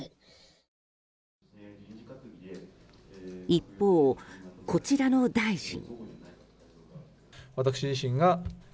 一方、こちらの大臣。